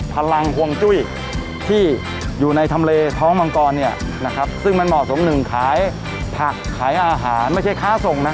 พลังห่วงจุ้ยที่อยู่ในทำเลท้องมังกรซึ่งมันเหมาะสมหนึ่งขายผักขายอาหารไม่ใช่ค้าส่งนะ